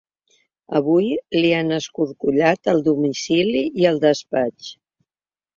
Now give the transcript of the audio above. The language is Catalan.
Avui li han escorcollat el domicili i el despatx.